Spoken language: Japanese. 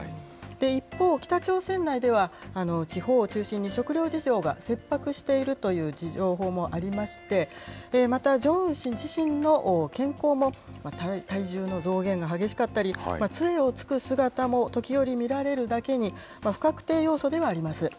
一方、北朝鮮内では、地方を中心に食料事情が切迫しているという情報もありまして、また、ジョンウン氏自身の健康も、体重の増減が激しかったり、杖をつく姿も時折見られるだけに、不確定要素ではあります。